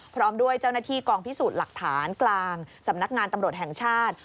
พร้อมด้วยเจ้าหน้าที่กองพิสูจน์หลักฐานกลางสำนักงานตำรวจแห่งชาติ